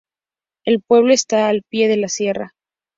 El pueblo está al pie de la sierra.